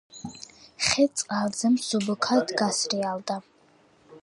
ხე წყალზე მსუბუქად გასრიალდა...